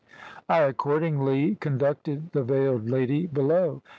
"I accordingly conducted the veiled lady below.